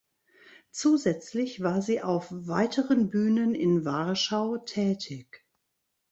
Zusätzlich war sie auf weiteren Bühnen in Warschau tätig.